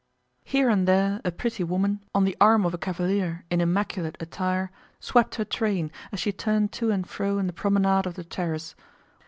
Here and there a pretty woman on the arm of a cavalier in immaculate attire swept her train as she turned to and fro in the promenade of the terrace.